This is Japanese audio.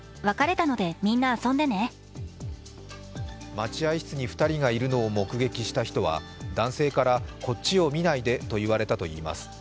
待合室に２人がいるのを目撃した人は男性から、こっちを見ないでと言われたといいます。